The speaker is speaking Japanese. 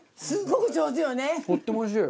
とってもおいしい！